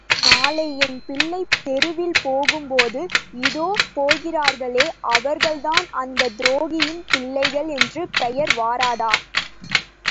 நாளை என் பிள்ளைகள் தெருவில் போகும்போது இதோ போகிறார்களே அவர்கள்தான் அந்தத் துரோகியின் பிள்ளைகள் என்று பெயர் வராதா?